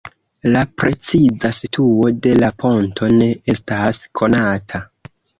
La preciza situo de la ponto ne estas konata.